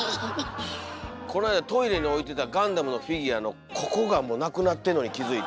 この間トイレに置いてたガンダムのフィギュアのここがもうなくなってんのに気付いて。